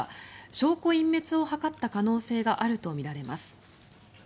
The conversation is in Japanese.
証拠隠滅を図った可能性があるとみられます。